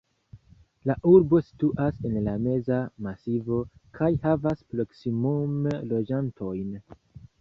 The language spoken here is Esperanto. La urbo situas en la Meza Masivo kaj havas proksimume loĝantojn.